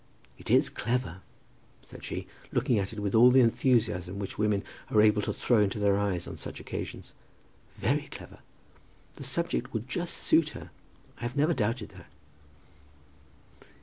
"] "It is clever," said she, looking at it with all that enthusiasm which women are able to throw into their eyes on such occasions; "very clever. The subject would just suit her. I have never doubted that."